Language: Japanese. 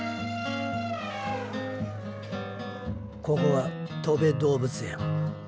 ここはとべ動物園。